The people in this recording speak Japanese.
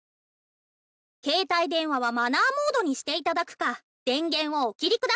「携帯電話はマナーモードにして頂くか電源をお切り下さい」。